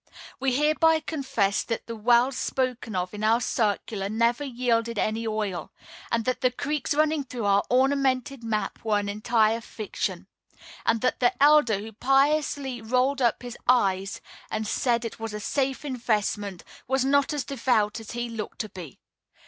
We hereby confess that the wells spoken of in our circular never yielded any oil; and that the creeks running through our ornamented map were an entire fiction; and that the elder who piously rolled up his eyes and said it was a safe investment, was not as devout as he looked to be.